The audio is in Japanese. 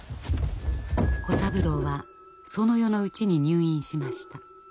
小三郎はその夜のうちに入院しました。